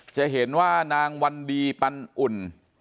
จะเห็นว่านางวันดีปันอุ่น